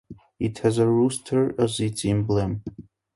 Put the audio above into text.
It has a rooster as its emblem.